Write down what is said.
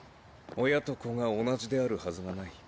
親と子が同じであるはずがない。